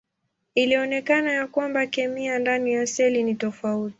Ilionekana ya kwamba kemia ndani ya seli ni tofauti.